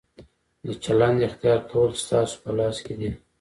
د چلند اختیار کول ستاسو په لاس کې دي.